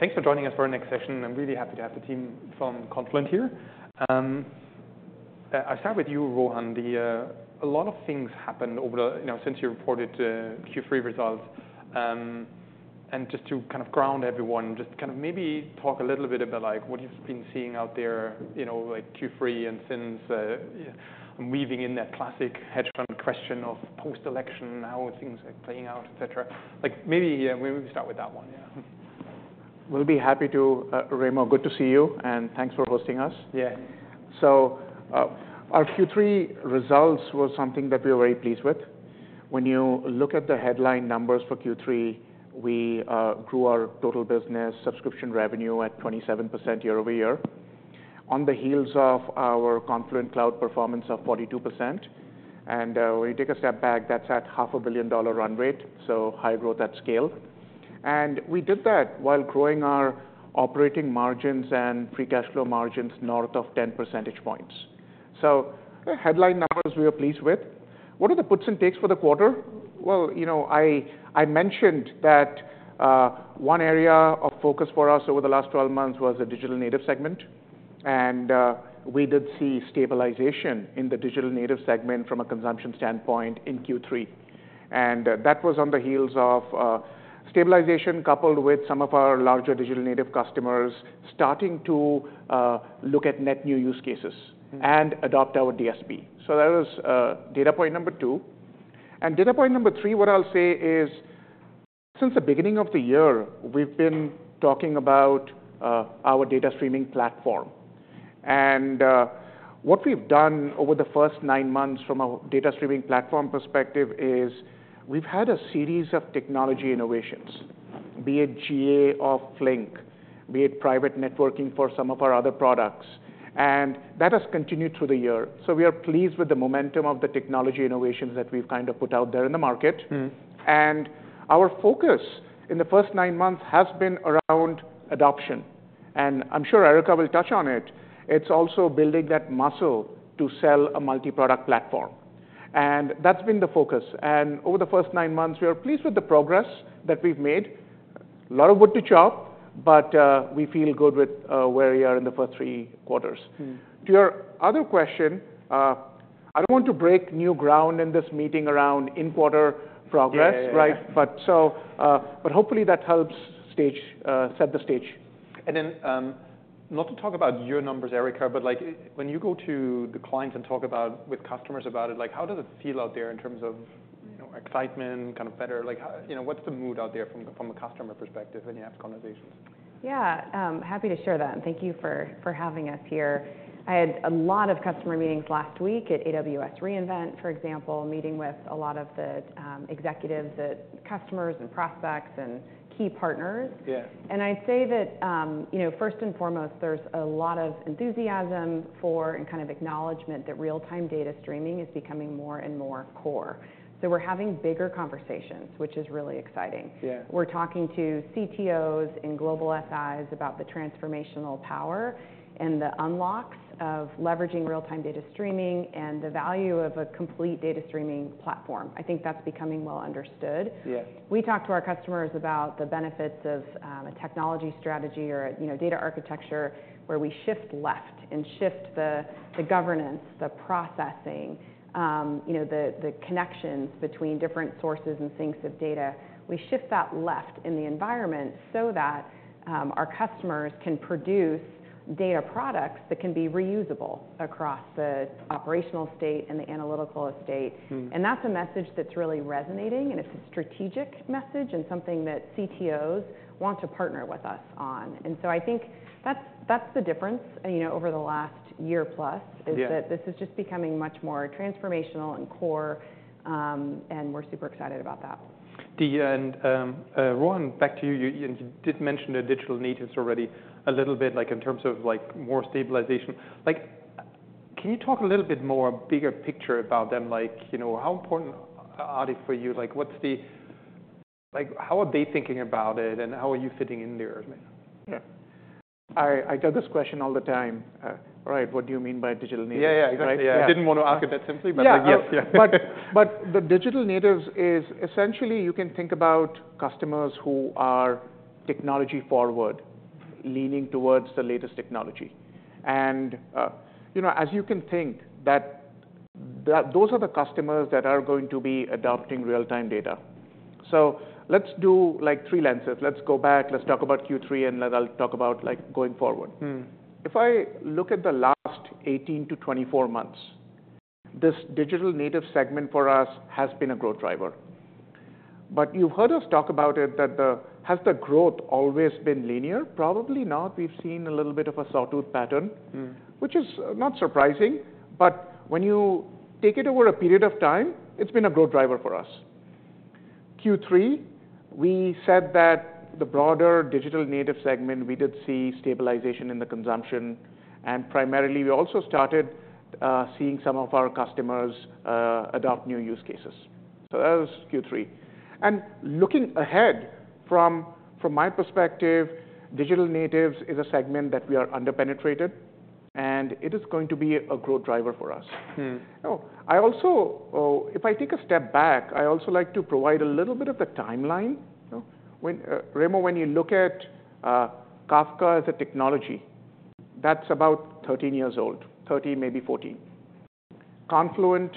Thanks for joining us for our next session. I'm really happy to have the team from Confluent here. I'll start with you, Rohan. A lot of things happened, you know, since you reported the Q3 results, and just to kind of ground everyone, just kind of maybe talk a little bit about, like, what you've been seeing out there, you know, like Q3 and since, you know, weaving in that classic hedge fund question of post-election, how things are playing out, etc. Like, maybe, yeah, maybe we start with that one, yeah. We'll be happy to, Raimo, good to see you, and thanks for hosting us. Yeah. Our Q3 results were something that we were very pleased with. When you look at the headline numbers for Q3, we grew our total business subscription revenue at 27% year over year on the heels of our Confluent Cloud performance of 42%. When you take a step back, that's at a $500 million run rate, so high growth at scale. We did that while growing our operating margins and free cash flow margins north of 10 percentage points. Headline numbers we were pleased with. What are the puts and takes for the quarter? You know, I mentioned that one area of focus for us over the last 12 months was the digital native segment. We did see stabilization in the digital native segment from a consumption standpoint in Q3. That was on the heels of stabilization coupled with some of our larger digital native customers starting to look at net new use cases and adopt our DSP. That was data point number two. Data point number three, what I'll say is, since the beginning of the year, we've been talking about our data streaming platform. What we've done over the first nine months from a data streaming platform perspective is we've had a series of technology innovations, be it GA of Flink, be it private networking for some of our other products. That has continued through the year. We are pleased with the momentum of the technology innovations that we've kind of put out there in the market. Mm-hmm. And our focus in the first nine months has been around adoption. And I'm sure Erica will touch on it. It's also building that muscle to sell a multi-product platform. And that's been the focus. And over the first nine months, we are pleased with the progress that we've made. A lot of wood to chop, but we feel good with where we are in the first three quarters. Mm-hmm. To your other question, I don't want to break new ground in this meeting around in-quarter progress. Yeah. Right? But hopefully that helps set the stage. Not to talk about your numbers, Erica, but like, when you go to the clients and talk about with customers about it, like, how does it feel out there in terms of, you know, excitement, kind of better? Like, how, you know, what's the mood out there from a customer perspective when you have conversations? Yeah. Happy to share that and thank you for having us here. I had a lot of customer meetings last week at AWS re:Invent, for example, meeting with a lot of the executives at customers and prospects and key partners. Yeah. I'd say that, you know, first and foremost, there's a lot of enthusiasm for and kind of acknowledgement that real-time data streaming is becoming more and more core. We're having bigger conversations, which is really exciting. Yeah. We're talking to CTOs and global SIs about the transformational power and the unlocks of leveraging real-time data streaming and the value of a complete data streaming platform. I think that's becoming well understood. Yeah. We talk to our customers about the benefits of a technology strategy or a, you know, data architecture where we shift left and shift the governance, the processing, you know, the connections between different sources and sinks of data. We shift that left in the environment so that our customers can produce data products that can be reusable across the operational state and the analytical estate. Mm-hmm. And that's a message that's really resonating, and it's a strategic message and something that CTOs want to partner with us on, and so I think that's, that's the difference, you know, over the last year plus is that this is just becoming much more transformational and core, and we're super excited about that. Rohan, back to you. You know, you did mention the digital natives already a little bit, like, in terms of, like, more stabilization. Like, can you talk a little bit more, bigger picture about them? Like, you know, how important are they for you? Like, what's the, like, how are they thinking about it, and how are you fitting in there? Yeah. I get this question all the time. All right, what do you mean by digital native? Yeah, yeah, exactly. Right? Yeah. I didn't want to ask it that simply, but, like, yes, yeah. Yeah, but the digital natives is essentially you can think about customers who are technology forward, leaning towards the latest technology, and you know, as you can think that those are the customers that are going to be adopting real-time data, so let's do, like, three lenses. Let's go back. Let's talk about Q3, and then I'll talk about, like, going forward. Mm-hmm. If I look at the last 18-24 months, this digital native segment for us has been a growth driver. But you've heard us talk about it, that, has the growth always been linear? Probably not. We've seen a little bit of a sawtooth pattern. Mm-hmm. Which is not surprising. But when you take it over a period of time, it's been a growth driver for us. Q3, we said that the broader digital native segment, we did see stabilization in the consumption. And primarily, we also started seeing some of our customers adopt new use cases. So that was Q3. And looking ahead from my perspective, digital natives is a segment that we are under-penetrated, and it is going to be a growth driver for us. Mm-hmm. Oh, I also, if I take a step back, I also like to provide a little bit of the timeline. You know, when, Raimo, when you look at Kafka as a technology, that's about 13 years old, 13, maybe 14. Confluent,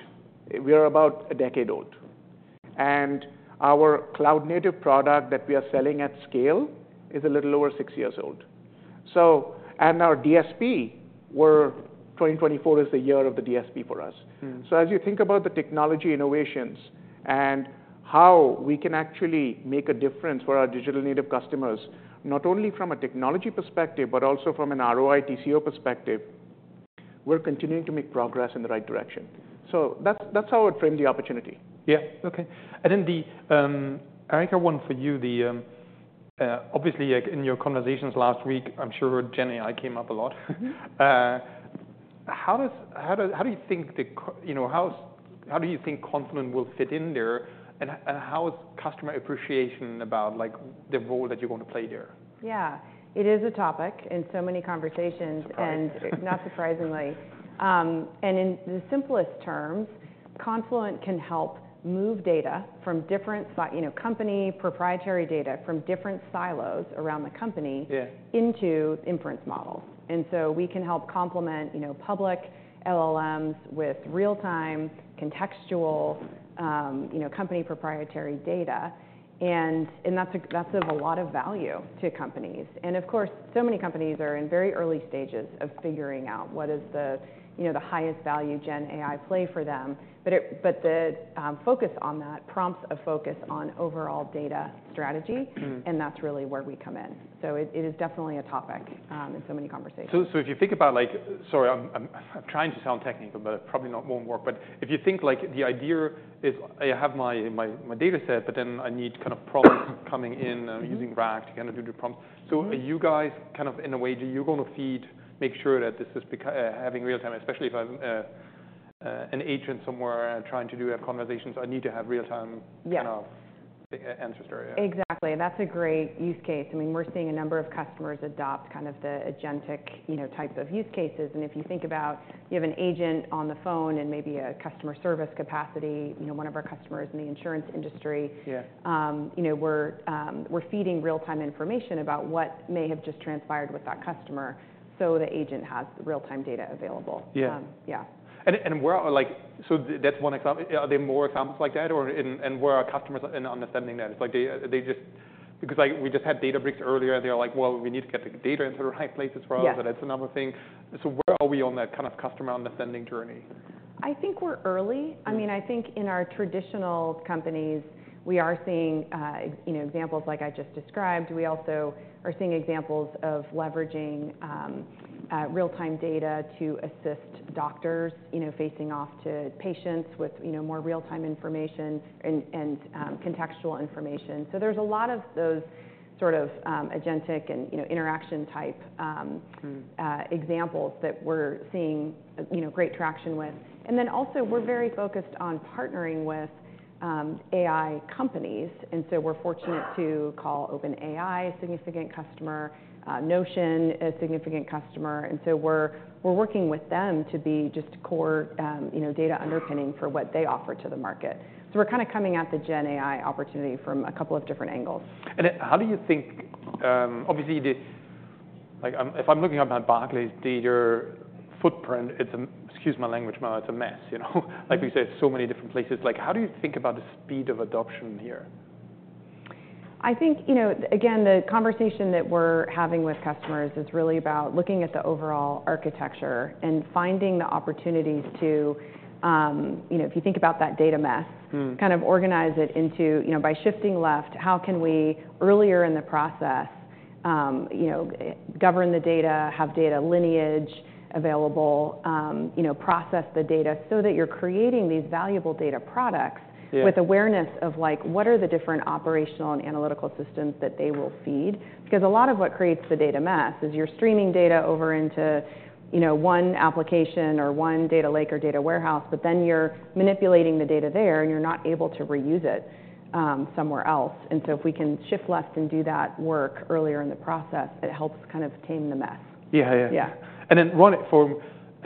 we are about a decade old. And our cloud-native product that we are selling at scale is a little over six years old. So, and our DSP, we're 2024 is the year of the DSP for us. Mm-hmm. So as you think about the technology innovations and how we can actually make a difference for our digital native customers, not only from a technology perspective, but also from an ROI, TCO perspective, we're continuing to make progress in the right direction. So that's, that's how I'd frame the opportunity. Yeah. Okay. And then the Erica one for you. Obviously, like, in your conversations last week, I'm sure Gen AI came up a lot. How do you think, you know, Confluent will fit in there? And how is customer appreciation about, like, the role that you're going to play there? Yeah. It is a topic in so many conversations. Oh, absolutely. And not surprisingly, and in the simplest terms, Confluent can help move data from different, you know, company proprietary data from different silos around the company. Yeah. Into inference models. And so we can help complement, you know, public LLMs with real-time contextual, you know, company proprietary data. And that's a lot of value to companies. And of course, so many companies are in very early stages of figuring out what is the, you know, the highest value Gen AI play for them. But the focus on that prompts a focus on overall data strategy. Mm-hmm. That's really where we come in. It, it is definitely a topic in so many conversations. So if you think about, like, sorry, I'm trying to sound technical, but it probably not won't work. But if you think, like, the idea is I have my data set, but then I need kind of prompts coming in, using RAG to kind of do the prompts. So are you guys kind of, in a way, are you going to feed, make sure that this is because having real-time, especially if I'm an agent somewhere and trying to do have conversations, I need to have real-time. Yeah. Kind of answers there, yeah. Exactly. That's a great use case. I mean, we're seeing a number of customers adopt kind of the agentic, you know, types of use cases. And if you think about, you have an agent on the phone and maybe a customer service capacity, you know, one of our customers in the insurance industry. Yeah. You know, we're, we're feeding real-time information about what may have just transpired with that customer. So the agent has real-time data available. Yeah. yeah. Where are, like, so that's one example. Are there more examples like that, or, and where are customers in understanding that? It's like they just, because, like, we just had Databricks earlier, and they're like, "Well, we need to get the data into the right places for us. Yeah. That's another thing. Where are we on that kind of customer understanding journey? I think we're early. I mean, I think in our traditional companies, we are seeing, you know, examples like I just described. We also are seeing examples of leveraging, real-time data to assist doctors, you know, facing off to patients with, you know, more real-time information and contextual information. So there's a lot of those sort of, agentic and, you know, interaction type, Mm-hmm. examples that we're seeing, you know, great traction with. And then also, we're very focused on partnering with AI companies. And so we're fortunate to call OpenAI a significant customer, Notion a significant customer. And so we're working with them to be just core, you know, data underpinning for what they offer to the market. So we're kind of coming at the Gen AI opportunity from a couple of different angles. How do you think, obviously, like, if I'm looking at Marc Maurer's data footprint, it's a, excuse my language, Marc, it's a mess, you know? Like we said, so many different places. Like, how do you think about the speed of adoption here? I think, you know, again, the conversation that we're having with customers is really about looking at the overall architecture and finding the opportunities to, you know, if you think about that data mess. Mm-hmm. Kind of organize it into, you know, by shifting left, how can we earlier in the process, you know, govern the data, have data lineage available, you know, process the data so that you're creating these valuable data products. Yeah. With awareness of, like, what are the different operational and analytical systems that they will feed? Because a lot of what creates the data mess is you're streaming data over into, you know, one application or one data lake or data warehouse, but then you're manipulating the data there, and you're not able to reuse it, somewhere else. And so if we can shift left and do that work earlier in the process, it helps kind of tame the mess. Yeah, yeah, yeah. Yeah. Then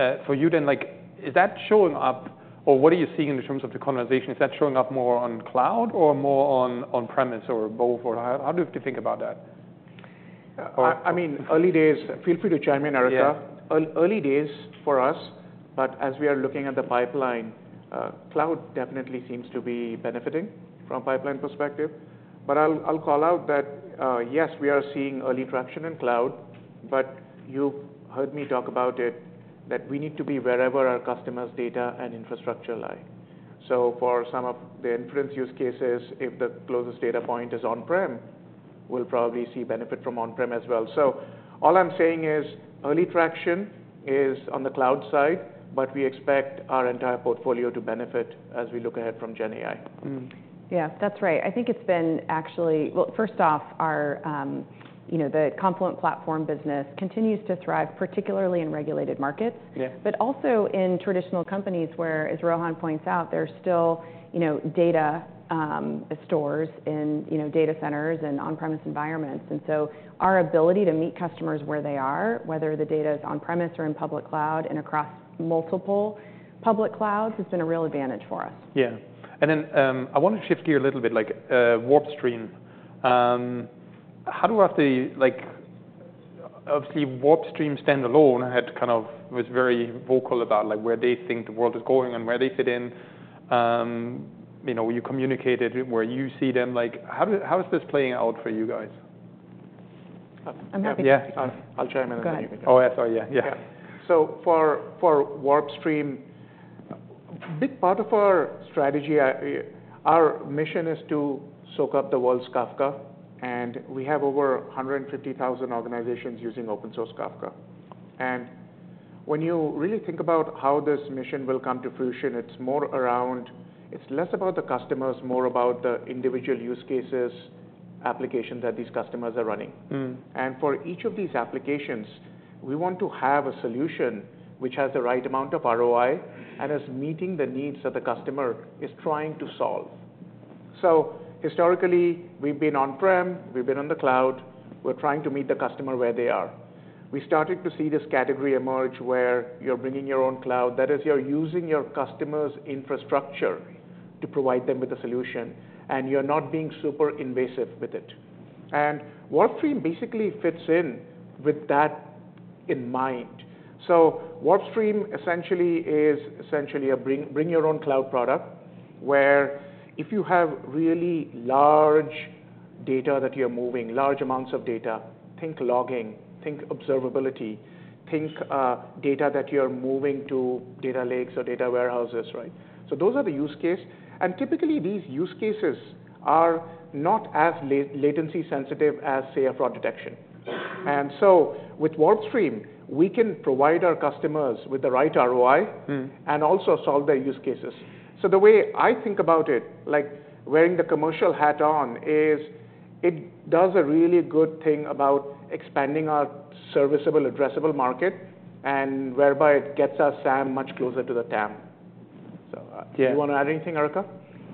Rohan, for you then, like, is that showing up, or what are you seeing in terms of the conversation? Is that showing up more on cloud or more on-premises or both? Or how do you think about that? I mean, early days, feel free to chime in, Erica. Yeah. Early, early days for us, but as we are looking at the pipeline, cloud definitely seems to be benefiting from a pipeline perspective. But I'll, I'll call out that, yes, we are seeing early traction in cloud, but you've heard me talk about it, that we need to be wherever our customers' data and infrastructure lie. So for some of the inference use cases, if the closest data point is on-prem, we'll probably see benefit from on-prem as well. So all I'm saying is early traction is on the cloud side, but we expect our entire portfolio to benefit as we look ahead from Gen AI. Mm-hmm. Yeah, that's right. I think it's been actually, well, first off, our, you know, the Confluent Platform business continues to thrive, particularly in regulated markets. Yeah. But also in traditional companies where, as Rohan points out, there's still, you know, data stores in, you know, data centers and on-premise environments. And so our ability to meet customers where they are, whether the data is on-premise or in public cloud and across multiple public clouds, has been a real advantage for us. Yeah. And then, I want to shift gear a little bit, like, WarpStream. How do after, like, obviously, WarpStream standalone had kind of was very vocal about, like, where they think the world is going and where they fit in. You know, you communicated where you see them. Like, how do, how is this playing out for you guys? I'm happy to speak to that. Yeah. I'll chime in a second. Go ahead. Oh, yeah, sorry. Yeah, yeah. Yeah. So for WarpStream, a big part of our strategy, our mission is to soak up the world's Kafka, and we have over 150,000 organizations using open-source Kafka. And when you really think about how this mission will come to fruition, it's more around, it's less about the customers, more about the individual use cases, applications that these customers are running. Mm-hmm. For each of these applications, we want to have a solution which has the right amount of ROI and is meeting the needs that the customer is trying to solve. Historically, we've been on-prem, we've been on the cloud, we're trying to meet the customer where they are. We started to see this category emerge where you're bringing your own cloud. That is, you're using your customer's infrastructure to provide them with a solution, and you're not being super invasive with it. WarpStream basically fits in with that in mind. WarpStream essentially is a bring your own cloud product where if you have really large data that you're moving, large amounts of data, think logging, think observability, think data that you're moving to data lakes or data warehouses, right? Those are the use case. Typically, these use cases are not as latency sensitive as, say, a fraud detection. So with WarpStream, we can provide our customers with the right ROI. Mm-hmm. And also solve their use cases. So the way I think about it, like wearing the commercial hat on, is, it does a really good thing about expanding our serviceable, addressable market, and whereby it gets us, SAM, much closer to the TAM. So. Yeah. Do you want to add anything, Erica?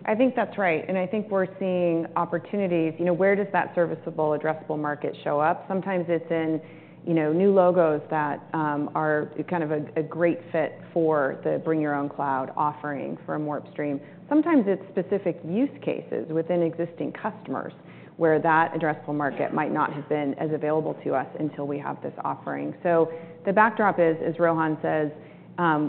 I think that's right. And I think we're seeing opportunities. You know, where does that serviceable, addressable market show up? Sometimes it's in, you know, new logos that are kind of a great fit for the bring your own cloud offering for a more upstream. Sometimes it's specific use cases within existing customers where that addressable market might not have been as available to us until we have this offering. So the backdrop is, as Rohan says,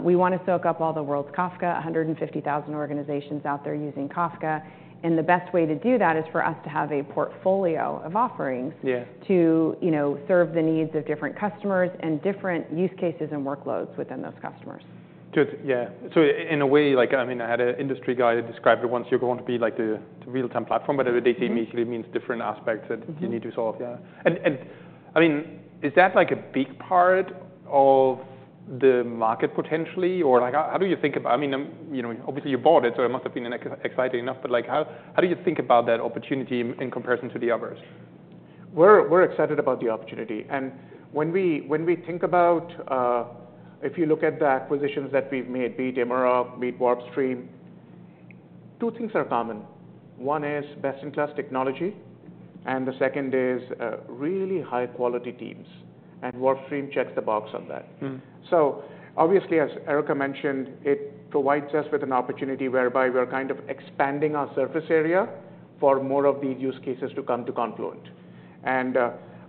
we want to soak up all the world's Kafka, 150,000 organizations out there using Kafka. And the best way to do that is for us to have a portfolio of offerings. Yeah. To, you know, serve the needs of different customers and different use cases and workloads within those customers. Good. Yeah, so in a way, like, I mean, I had an industry guy describe it once. You're going to be like the real-time platform, but they say it basically means different aspects that you need to solve. Yeah. Yeah. And I mean, is that like a big part of the market potentially? Or like, how do you think about, I mean, you know, obviously you bought it, so it must have been exciting enough. But like, how do you think about that opportunity in comparison to the others? We're excited about the opportunity. When we think about, if you look at the acquisitions that we've made, be it Immerok, be it WarpStream, two things are common. One is best-in-class technology, and the second is really high-quality teams. WarpStream checks the box on that. Mm-hmm. So obviously, as Erica mentioned, it provides us with an opportunity whereby we're kind of expanding our service area for more of these use cases to come to Confluent. And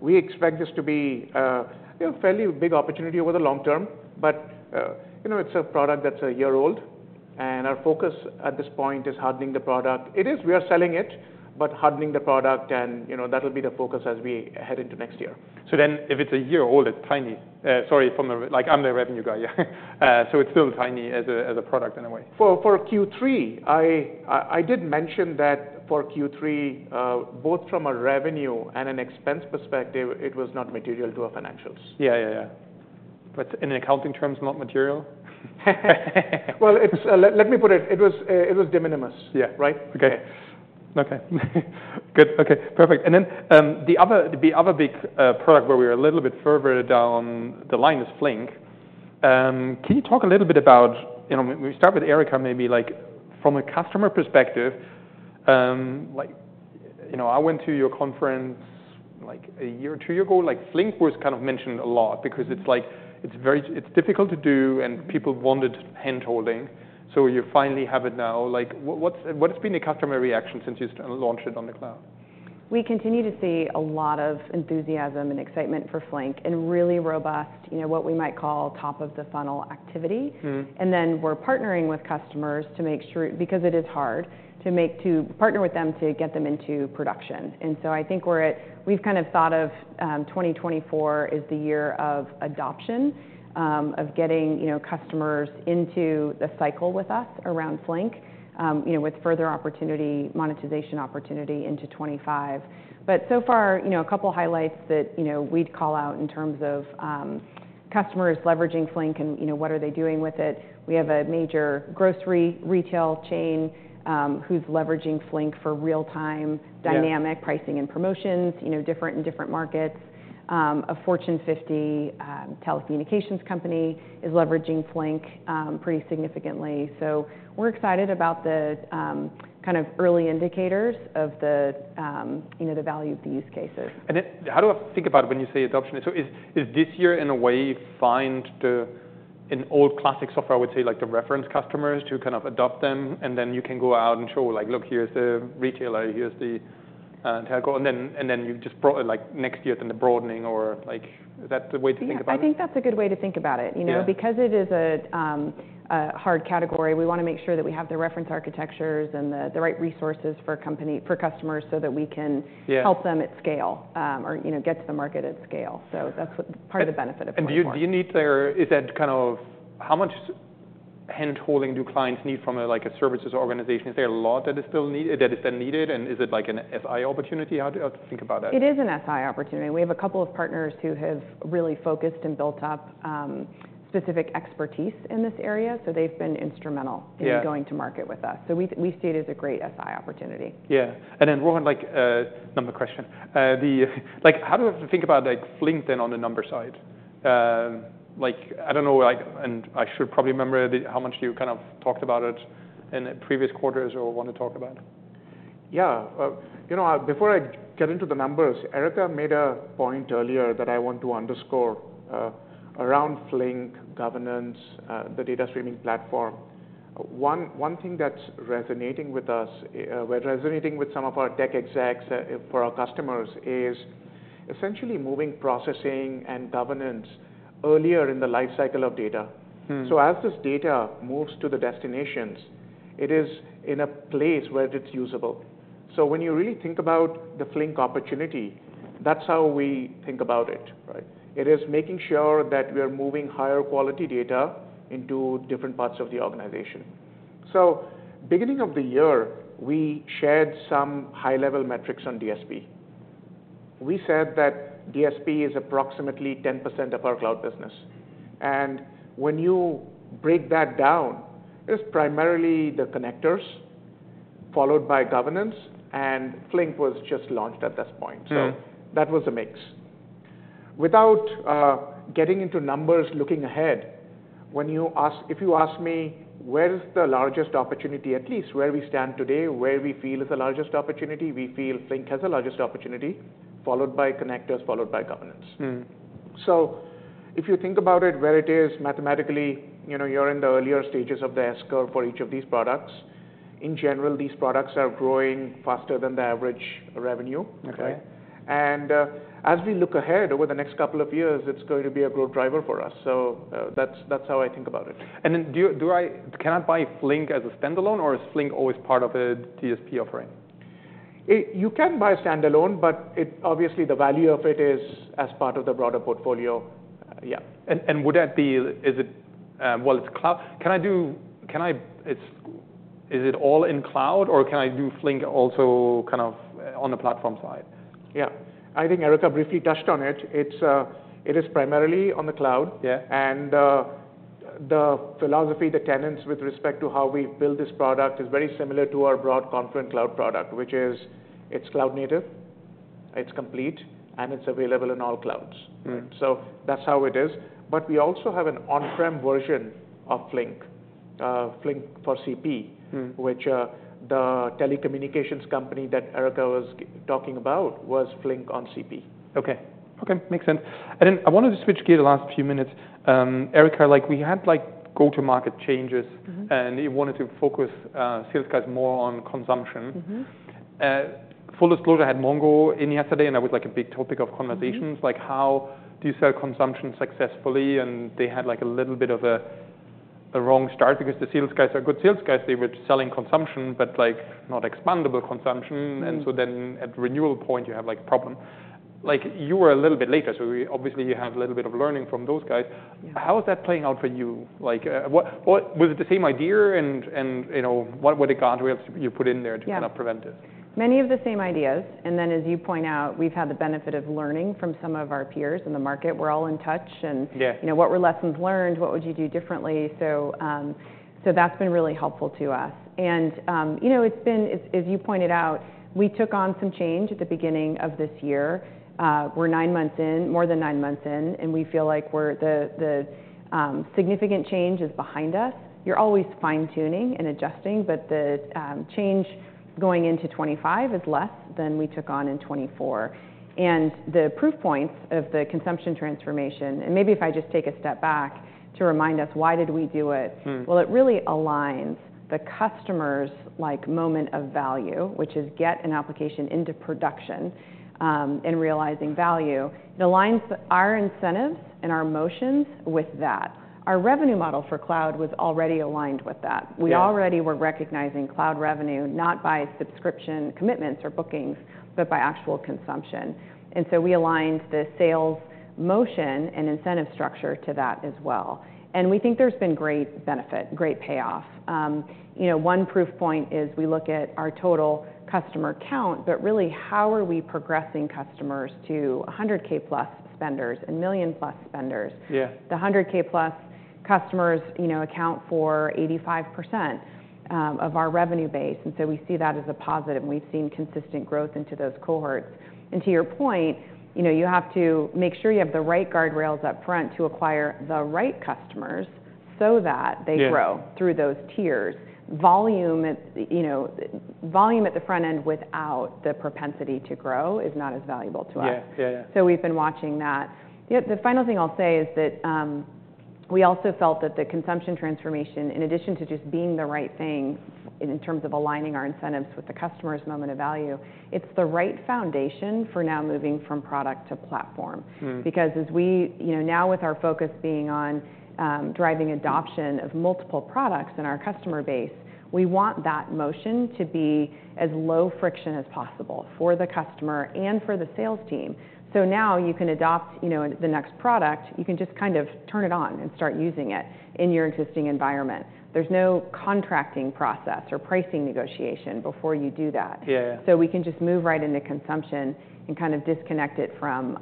we expect this to be, you know, a fairly big opportunity over the long term, but you know, it's a product that's a year old. And our focus at this point is hardening the product. It is, we are selling it, but hardening the product. And you know, that'll be the focus as we head into next year. So then if it's a year old, it's tiny. Sorry, from the, like, I'm the revenue guy, yeah. So it's still tiny as a, as a product in a way. For Q3, I did mention that for Q3, both from a revenue and an expense perspective, it was not material to our financials. Yeah, yeah, yeah. But in accounting terms, not material? Well, let me put it. It was de minimis. Yeah. Right? Okay. Okay. Good. Okay. Perfect. And then, the other big product where we are a little bit further down the line is Flink. Can you talk a little bit about, you know, we start with Erica maybe, like, from a customer perspective, like, you know, I went to your conference like a year or two ago, like Flink was kind of mentioned a lot because it's like, it's very difficult to do and people wanted handholding. So you finally have it now. Like, what's been the customer reaction since you launched it on the cloud? We continue to see a lot of enthusiasm and excitement for Flink and really robust, you know, what we might call top-of-the-funnel activity. Mm-hmm. And then we're partnering with customers to make sure, because it is hard to make to partner with them to get them into production. So I think we've kind of thought of 2024 as the year of adoption of getting, you know, customers into the cycle with us around Flink, you know, with further opportunity, monetization opportunity into 2025. But so far, you know, a couple highlights that, you know, we'd call out in terms of customers leveraging Flink and, you know, what are they doing with it. We have a major grocery retail chain, who's leveraging Flink for real-time. Yeah. Dynamic pricing and promotions, you know, different in different markets. A Fortune 50 telecommunications company is leveraging Flink pretty significantly. So we're excited about the kind of early indicators of the, you know, the value of the use cases. How do I think about when you say adoption? So is this year in a way like the old classic software? I would say like the reference customers to kind of adopt them, and then you can go out and show, like, look, here's the retailer, here's the telco, and then you just broaden it like next year, then the broadening or like is that the way to think about it? I think that's a good way to think about it. Yeah. You know, because it is a hard category, we want to make sure that we have the reference architectures and the right resources for company, for customers so that we can. Yeah. Help them at scale, or, you know, get to the market at scale. So that's what part of the benefit of. And do you need to, or is that kind of how much handholding do clients need from a, like, a services organization? Is there a lot that is still need, that is then needed? And is it like an SI opportunity? How do you think about that? It is an SI opportunity. We have a couple of partners who have really focused and built up specific expertise in this area. So they've been instrumental. Yeah. In going to market with us. We see it as a great SI opportunity. Yeah. And then Rohan, like, number question, the, like, how do I think about like Flink then on the number side? Like, I don't know, like, and I should probably remember the, how much you kind of talked about it in the previous quarters or want to talk about. Yeah, you know, before I get into the numbers, Erica made a point earlier that I want to underscore around Flink governance, the data streaming platform. One thing that's resonating with us, we're resonating with some of our tech execs for our customers is essentially moving processing and governance earlier in the lifecycle of data. Mm-hmm. As this data moves to the destinations, it is in a place where it's usable. When you really think about the Flink opportunity, that's how we think about it, right? It is making sure that we are moving higher quality data into different parts of the organization. Beginning of the year, we shared some high-level metrics on DSP. We said that DSP is approximately 10% of our cloud business. When you break that down, it's primarily the connectors followed by governance, and Flink was just launched at this point. Mm-hmm. So that was a mix. Without getting into numbers, looking ahead, when you ask, if you ask me where's the largest opportunity, at least where we stand today, where we feel is the largest opportunity, we feel Flink has the largest opportunity followed by connectors, followed by governance. Mm-hmm. So if you think about it, where it is mathematically, you know, you're in the earlier stages of the S-curve for each of these products. In general, these products are growing faster than the average revenue. Okay. Right? And, as we look ahead over the next couple of years, it's going to be a growth driver for us. So, that's how I think about it. Can I buy Flink as a standalone or is Flink always part of the DSP offering? If you can buy standalone, but obviously the value of it is as part of the broader portfolio. Yeah. Would that be? Is it cloud? Well, it's cloud. Can I do? Is it all in cloud or can I do Flink also kind of on the platform side? Yeah. I think Erica briefly touched on it. It is primarily on the cloud. Yeah. The philosophy, the tenets with respect to how we've built this product is very similar to our broad Confluent Cloud product, which is it's cloud native, it's complete, and it's available in all clouds. Mm-hmm. So that's how it is. But we also have an on-prem version of Flink, Flink for CP. Mm-hmm. Which, the telecommunications company that Erica was talking about was Flink on CP. Okay. Okay. Makes sense. And then I wanted to switch gears the last few minutes. Erica, like we had like go-to-market changes. Mm-hmm. And you wanted to focus, SaaS cash more on consumption. Mm-hmm. Full disclosure, I had Mongo in yesterday and that was like a big topic of conversations, like how do you sell consumption successfully? And they had like a little bit of a wrong start because the sales catch, a good sales catch, they were selling consumption, but like not expandable consumption. Mm-hmm. And so then at renewal point, you have like a problem. Like you were a little bit later, so obviously you have a little bit of learning from those guys. Yeah. How is that playing out for you? Like, what was it the same idea and, you know, what were the guardrails you put in there to kind of prevent it? Yeah. Many of the same ideas, and then as you point out, we've had the benefit of learning from some of our peers in the market. We're all in touch and. Yeah. You know, what were lessons learned? What would you do differently? So, so that's been really helpful to us. And, you know, it's been, as, as you pointed out, we took on some change at the beginning of this year. We're nine months in, more than nine months in, and we feel like the significant change is behind us. You're always fine-tuning and adjusting, but the change going into 2025 is less than we took on in 2024. And the proof points of the consumption transformation, and maybe if I just take a step back to remind us, why did we do it? Mm-hmm. It really aligns the customer's like moment of value, which is get an application into production, and realizing value. It aligns our incentives and our motions with that. Our revenue model for cloud was already aligned with that. Yeah. We already were recognizing cloud revenue, not by subscription commitments or bookings, but by actual consumption. And so we aligned the sales motion and incentive structure to that as well. And we think there's been great benefit, great payoff. You know, one proof point is we look at our total customer count, but really how are we progressing customers to 100K plus spenders and million plus spenders? Yeah. The 100K plus customers, you know, account for 85% of our revenue base. And so we see that as a positive. We've seen consistent growth into those cohorts. And to your point, you know, you have to make sure you have the right guardrails upfront to acquire the right customers so that they grow. Yeah. Through those tiers. Volume at, you know, the front end without the propensity to grow is not as valuable to us. Yeah. Yeah, yeah. So we've been watching that. Yeah. The final thing I'll say is that, we also felt that the consumption transformation, in addition to just being the right thing in terms of aligning our incentives with the customer's moment of value, it's the right foundation for now moving from product to platform. Mm-hmm. Because as we, you know, now with our focus being on, driving adoption of multiple products in our customer base, we want that motion to be as low friction as possible for the customer and for the sales team. So now you can adopt, you know, the next product, you can just kind of turn it on and start using it in your existing environment. There's no contracting process or pricing negotiation before you do that. Yeah, yeah. So we can just move right into consumption and kind of disconnect it from,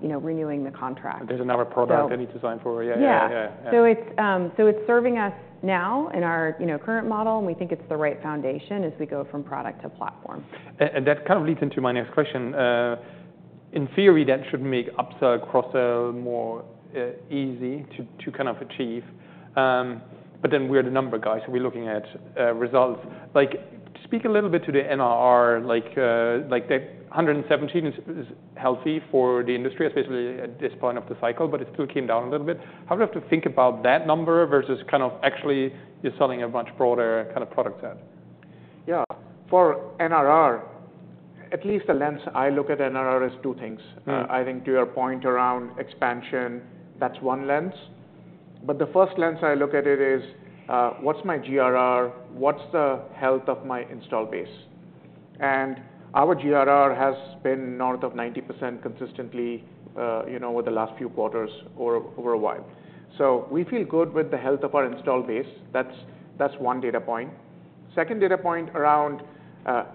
you know, renewing the contract. There's another product that needs to sign for. Yeah. Yeah, yeah, yeah. Yeah. So it's serving us now in our, you know, current model, and we think it's the right foundation as we go from product to platform. That kind of leads into my next question. In theory, that should make upsell cross-sell more easy to kind of achieve. But then we're the numbers guy, so we're looking at results. Like, speak a little bit to the NRR, like the 117% is healthy for the industry, especially at this point of the cycle, but it still came down a little bit. How do you have to think about that number versus kind of actually you're selling a much broader kind of product set? Yeah. For NRR, at least the lens I look at NRR is two things. Mm-hmm. I think to your point around expansion, that's one lens. But the first lens I look at it is, what's my GRR? What's the health of my install base? And our GRR has been north of 90% consistently, you know, over the last few quarters or over a while. So we feel good with the health of our install base. That's one data point. Second data point around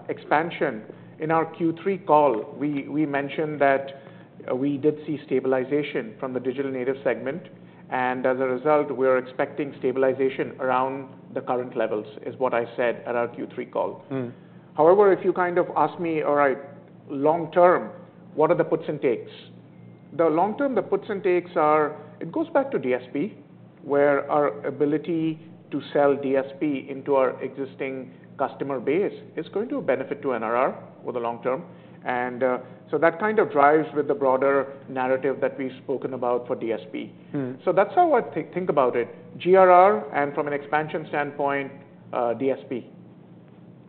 expansion. In our Q3 call, we mentioned that we did see stabilization from the digital native segment, and as a result, we are expecting stabilization around the current levels is what I said at our Q3 call. Mm-hmm. However, if you kind of ask me, all right, long term, what are the puts and takes? The long term, the puts and takes are, it goes back to DSP, where our ability to sell DSP into our existing customer base is going to benefit to NRR over the long term. And, so that kind of drives with the broader narrative that we've spoken about for DSP. Mm-hmm. So that's how I think about it. GRR and from an expansion standpoint, DSP.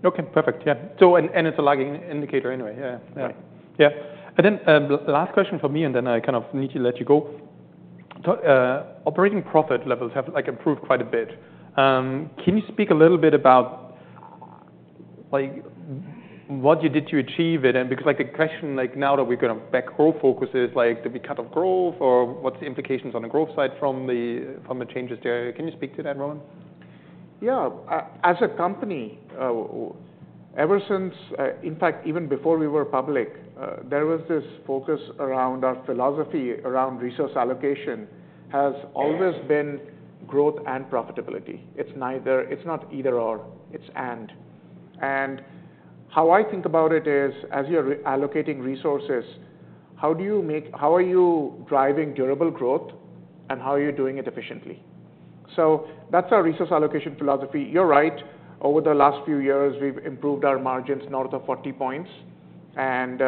Okay. Perfect. Yeah. So, and it's a lagging indicator anyway. Yeah. Yeah. Right. Yeah. And then, last question for me, and then I kind of need to let you go. So, operating profit levels have like improved quite a bit. Can you speak a little bit about like what you did to achieve it? And because like the question, like now that we're gonna back growth focus is like did we cut off growth or what's the implications on the growth side from the, from the changes there? Can you speak to that, Rohan? Yeah. As a company, ever since, in fact, even before we were public, there was this focus around our philosophy around resource allocation has always been growth and profitability. It's neither, it's not either or, it's and. And how I think about it is, as you're reallocating resources, how do you make, how are you driving durable growth and how are you doing it efficiently? So that's our resource allocation philosophy. You're right. Over the last few years, we've improved our margins north of 40 points. And,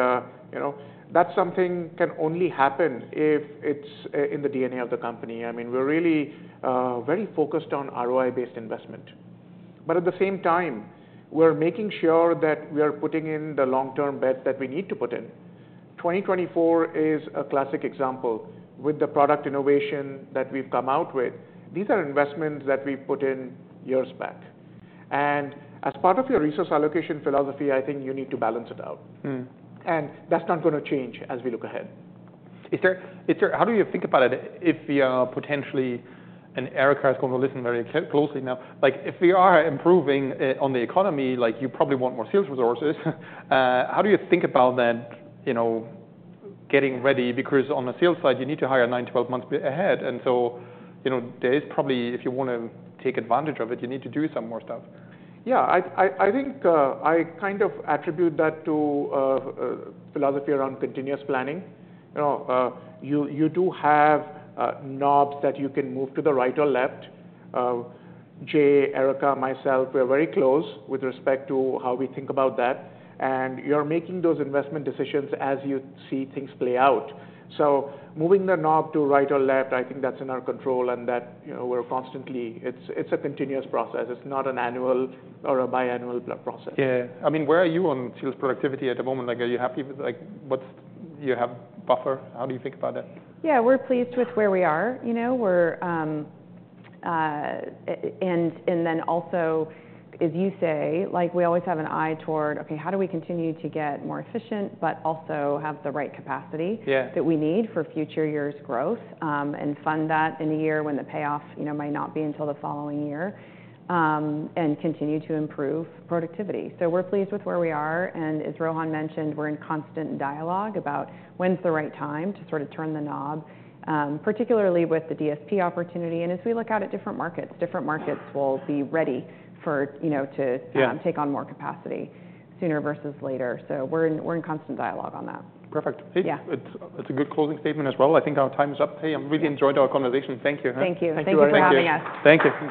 you know, that's something that can only happen if it's, in the DNA of the company. I mean, we're really, very focused on ROI-based investment. But at the same time, we're making sure that we are putting in the long-term bet that we need to put in. 2024 is a classic example with the product innovation that we've come out with. These are investments that we put in years back, and as part of your resource allocation philosophy, I think you need to balance it out. Mm-hmm. That's not gonna change as we look ahead. Is there how do you think about it if you are potentially, and Erica is going to listen very closely now? Like if we are improving on the economy, like you probably want more sales resources. How do you think about that, you know, getting ready? Because on the sales side, you need to hire nine, 12 months ahead. And so, you know, there is probably if you wanna take advantage of it, you need to do some more stuff. Yeah. I think I kind of attribute that to philosophy around continuous planning. You know, you do have knobs that you can move to the right or left. Jay, Erica, myself, we are very close with respect to how we think about that. You're making those investment decisions as you see things play out. So moving the knob to right or left, I think that's in our control and that, you know, we're constantly. It's a continuous process. It's not an annual or a biannual process. Yeah. I mean, where are you on sales productivity at the moment? Like, are you happy with, like, what's your headcount buffer? How do you think about that? Yeah. We're pleased with where we are. You know, we're and then also, as you say, like we always have an eye toward, okay, how do we continue to get more efficient but also have the right capacity. Yeah. That we need for future years' growth, and fund that in a year when the payoff, you know, might not be until the following year, and continue to improve productivity. So we're pleased with where we are. And as Rohan mentioned, we're in constant dialogue about when's the right time to sort of turn the knob, particularly with the DSP opportunity. And as we look out at different markets, different markets will be ready for, you know, to. Yeah. Take on more capacity sooner versus later. So we're in constant dialogue on that. Perfect. Yeah. Hey, it's a good closing statement as well. I think our time is up. Hey, I've really enjoyed our conversation. Thank you. Thank you. Thank you for having us. Thank you.